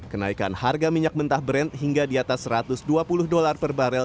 kenaikan harga minyak mentah brand hingga di atas satu ratus dua puluh dolar per barel